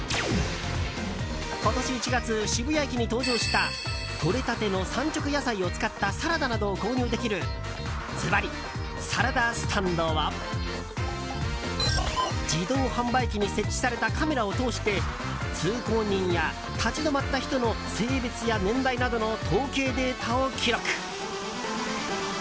今年１月、渋谷駅に登場したとれたての産直野菜を使ったサラダなどを購入できるずばりＳＡＬＡＤＳＴＡＮＤは自動販売機に設置されたカメラを通して通行人や立ち止まった人の性別や年代などの統計データを記録。